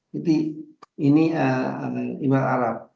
jadi ini emirat arab